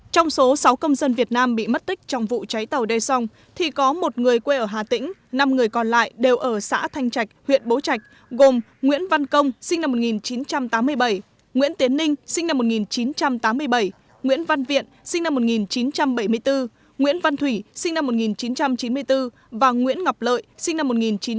trong số sáu công dân việt nam bị mất tích trong vụ cháy tàu đê song thì có một người quê ở hà tĩnh năm người còn lại đều ở xã thanh trạch huyện bố trạch gồm nguyễn văn công sinh năm một nghìn chín trăm tám mươi bảy nguyễn tiến ninh sinh năm một nghìn chín trăm tám mươi bảy nguyễn văn viện sinh năm một nghìn chín trăm bảy mươi bốn nguyễn văn thủy sinh năm một nghìn chín trăm chín mươi bốn và nguyễn ngọc lợi sinh năm một nghìn chín trăm chín mươi năm